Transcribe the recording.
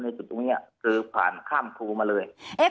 จุดตรงนี้คือผ่านข้ามครูมาเลย